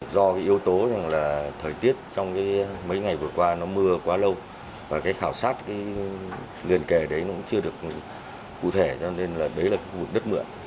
do cái yếu tố là thời tiết trong mấy ngày vừa qua nó mưa quá lâu và cái khảo sát liền kề đấy nó cũng chưa được cụ thể cho nên đấy là vụ đất mượn